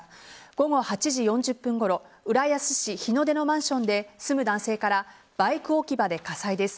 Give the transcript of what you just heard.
午後８時４０分ごろ浦安市日の出のマンションで住む男性からバイク置き場で火災です。